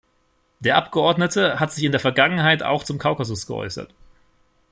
Der Abgeordnete hat sich in der Vergangenheit auch zum Kaukasus geäußert.